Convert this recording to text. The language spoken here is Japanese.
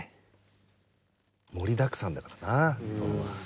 盛りだくさんだからな殿は。